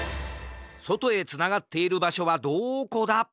そとへつながっているばしょはどこだ？